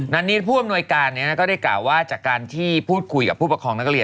นั้นนี้ผู้อำนวยการก็ได้กล่าวว่าจากการที่พูดคุยกับผู้ปกครองนักเรียน